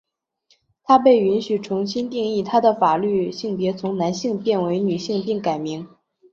她被允许重新定义她的法律性别从男性变为女性并改名。